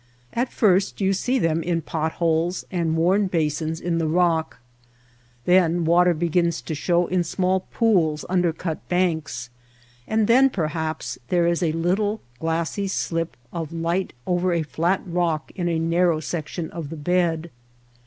At first you see them in pot holes and worn basins in the rock, then water begins to show in small pools under cut banks, and then perhaps there is a little glassy slip of light over a flat rock in a narrow section of the bed.